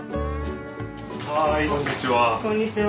はいこんにちは。